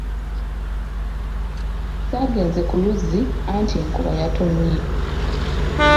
Saagenze ku luzzi anti enkuba yatonnye.